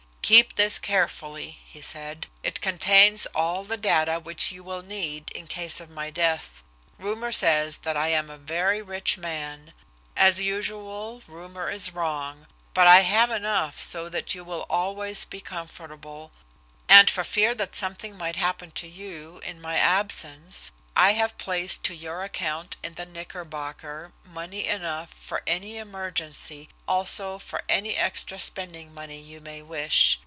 "Keep this carefully," he said. "It contains all the data which you will need in case of my death. Rumor says that I am a very rich man. As usual rumor is wrong, but I have enough so that you will always be comfortable. And for fear that something might happen to you in my absence I have placed to your account in the Knickerbocker money enough for any emergency, also for any extra spending money you may wish.